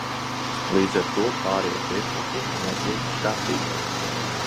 Līdz ar to pārējie priekšlikumi netiek skatīti.